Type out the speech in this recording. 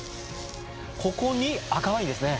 ここに赤ワインですね